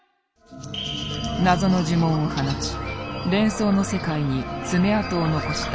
謎の呪文を放ち連想の世界に爪痕を残した。